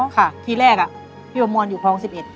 ค่ะทีแรกอะพี่ประมวลอยู่คลอง๑๑